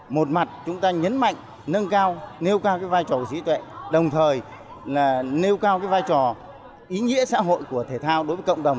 một mặt chúng ta nhấn mạnh nâng cao nêu cao cái vai trò trí tuệ đồng thời là nêu cao cái vai trò ý nghĩa xã hội của thể thao đối với cộng đồng